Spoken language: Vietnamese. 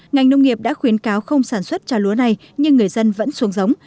ngành nông nghiệp đã khuyến cáo không sản xuất trà lúa này nhưng người dân vẫn xuống giống